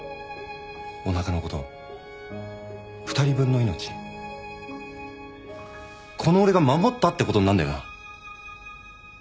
おなかの子と２人分の命この俺が守ったってことになんだよな？